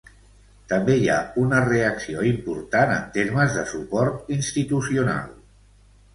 També hi ha una reacció important en termes de suport institucional.